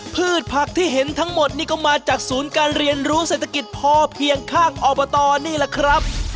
พืชผักที่เห็นทั้งหมดนี่ก็มาจากศูนย์การเรียนรู้เศรษฐกิจพอเพียงข้างอบตนี่แหละครับ